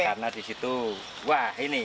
karena di situ wah ini